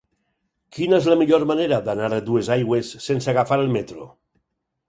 Quina és la millor manera d'anar a Duesaigües sense agafar el metro?